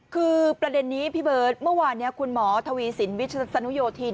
คือประเด็นนี้พี่เบิร์ตเมื่อวานนี้คุณหมอทวีสินวิศนุโยธิน